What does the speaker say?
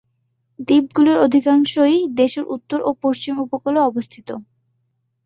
দ্বীপগুলোর অধিকাংশই দেশের উত্তর ও পশ্চিম উপকূলে অবস্থিত।